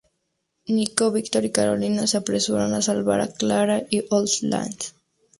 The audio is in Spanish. Nico, Victor y Karolina se apresuran a salvar a Klara y Old Lace.